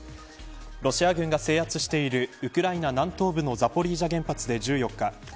ロシア軍が制圧しているウクライナ南東部のザポリージャ原発で１４日